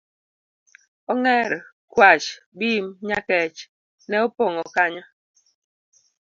Ong'er, kwach, Bim, nyakech ne opong'o kanyo